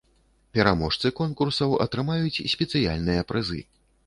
Пераможцы конкурсаў атрымаюць спецыяльныя прызы.